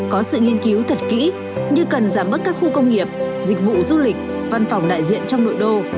có sự nghiên cứu thật kỹ như cần giảm bớt các khu công nghiệp dịch vụ du lịch văn phòng đại diện trong nội đô